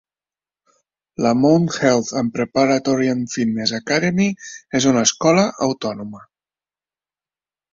La Mount Health and Preparatory and Fitness Academy és una escola autònoma.